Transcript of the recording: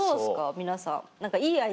皆さん。